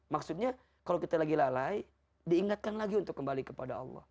maksudnya kalau kita lagi lalai diingatkan lagi untuk kembali kepada allah